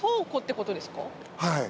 はい。